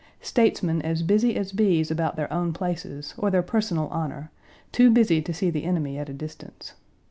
Statesmen as busy as bees about their own places, or their personal honor, too busy to see the enemy at a distance.